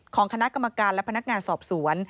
ของคณะกรรมการและพนักงานสอบสวน